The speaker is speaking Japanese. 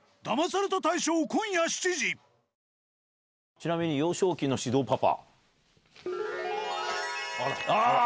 ちなみに幼少期の獅童パパ。